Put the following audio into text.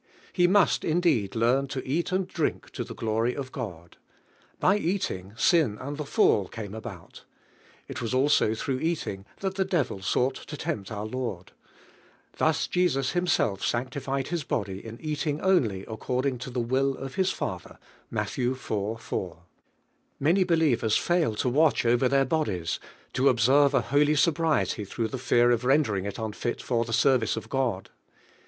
He must indeed learn to eat and drink to the glory of God. By eating, sin and the fall came about, ft was also through eat ing that the devil sought to tempt our I. onl. Thus Jesus Himself sanctified His body in eating only according to the will of His Father (Matt. iv. &). Many believ ers fail to watoh oyer their bodies, to ob serve a holy sobriety through the fear of rendering it unfit for the service of God.